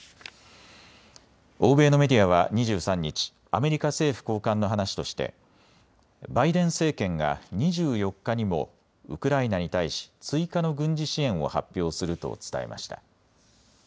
欧米のメディアは２３日、アメリカ政府高官の話としてバイデン政権が２４日にもウクライナに対し追加の軍事支援を発表すると伝えました。